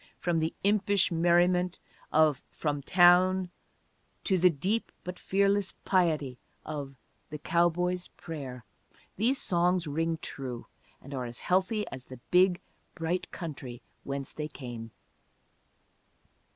From the impish merriment of From Town to the deep but fearless piety of The Cowboy's Prayer, these songs ring true; and are as healthy as the big, bright country whence they came.